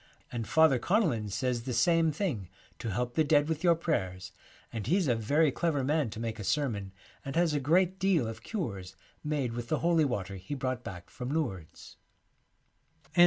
' And Father Connellan says the same thing, to help the dead with your prayers, and he's a very clever man to make a sermon, and has a great deal of cures made with the Holy Water he brought back from Lourdes.'